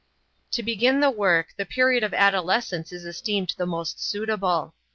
To begin the work, the period of adolescence is esteemed the most suitable.